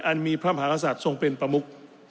มีพระมหากษัตริย์ทรงเป็นประมุก